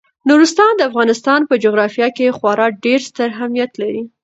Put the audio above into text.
نورستان د افغانستان په جغرافیه کې خورا ډیر ستر اهمیت لري.